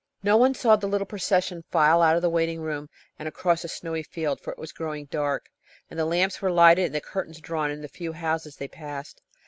No one saw the little procession file out of the waiting room and across the snowy field, for it was growing dark, and the lamps were lighted and the curtains drawn in the few houses they passed.